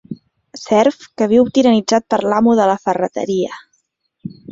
Serf que viu tiranitzat per l'amo de la ferreteria.